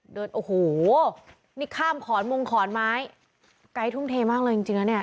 ดินโอ้โหนี่ข้ามคอนมุงคอนไม้ใกล้ทุ่มเทมากเลยจริงละเนี่ย